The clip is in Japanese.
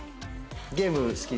ゲーム好き？